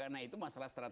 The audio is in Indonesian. nah itu masalah strategi